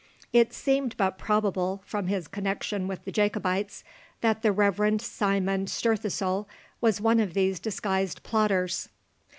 It seemed but probable, from his connexion with the Jacobites, that the Reverend Simon Stirthesoul was one of these disguised plotters.